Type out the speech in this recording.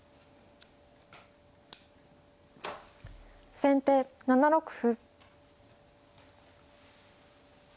先手７六歩。